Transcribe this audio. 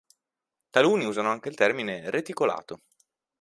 Taluni usano anche il termine "reticolato".